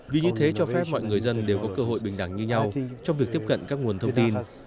vì như thế cho phép mọi người dân đều có cơ hội bình đẳng như nhau trong việc tiếp cận các nguồn thông tin